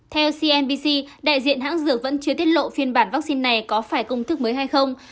theo cnbc đại diện hãng dược vẫn chưa tiết lộ phiên bản vaccine này có phải công thức mới hay không